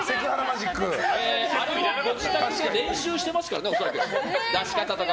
あれをご自宅で練習してますからね、恐らく。